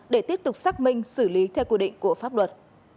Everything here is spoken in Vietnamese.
để tiếp tục xác minh xử lý theo quy định của pháp luật